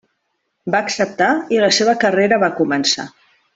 Va acceptar i la seva carrera va començar.